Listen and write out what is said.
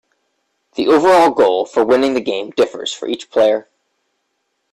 The overall goal for winning the game differs for each player.